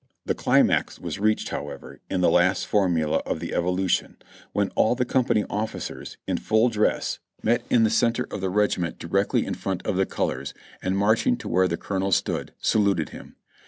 The climax was reached, however, in the last formula of the evolution, when all the company officers, in full dress, met in tlie 344 JOHNNY REB AND BILI,Y YANK center of the regiment directly in front of the colors, and march ing to where the colonel stood, saluted him.